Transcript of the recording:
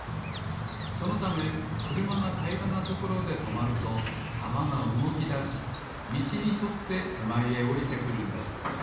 そのためくるまがたいらなところでとまるとたまがうごきだしみちにそっててまえへおりてくるんです。